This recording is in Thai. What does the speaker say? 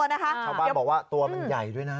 ชาวบ้านบอกว่าตัวมันใหญ่ด้วยนะ